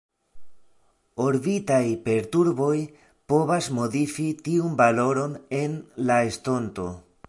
Orbitaj perturboj povas modifi tiun valoron en la estonto.